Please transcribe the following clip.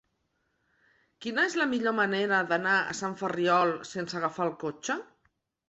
Quina és la millor manera d'anar a Sant Ferriol sense agafar el cotxe?